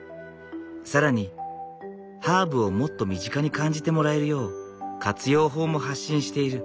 更にハーブをもっと身近に感じてもらえるよう活用法も発信している。